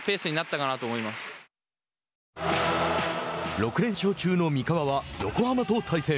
６連勝中の三河は横浜と対戦。